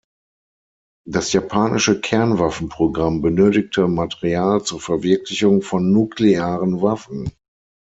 Das japanische Kernwaffenprogramm benötigte Material zur Verwirklichung von nuklearen Waffen.